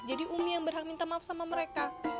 jadi umi yang berhak minta maaf sama mereka